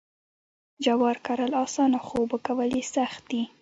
جوار کرل اسانه خو اوبه کول یې سخت دي.